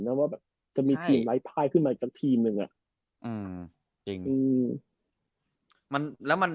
นะว่าแบบจะมีทีมไลฟ์ไพรขึ้นมาจากทีมหนึ่งอ่าอืมจริงอืมมันแล้วมัน